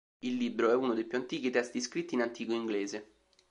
Il libro è uno dei più antichi testi scritti in antico inglese.